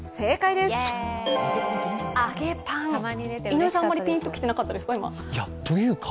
井上さんピンときてなかったですか？